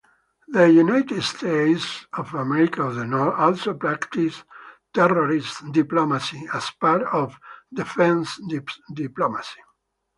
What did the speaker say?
The United States also practices medical diplomacy as part of defense diplomacy.